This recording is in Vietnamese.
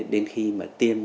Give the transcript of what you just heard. đến khi mà tiêm